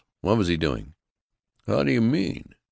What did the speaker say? What was he doing?" "How do you mean?"